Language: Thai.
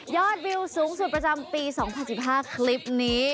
วิวสูงสุดประจำปี๒๐๑๕คลิปนี้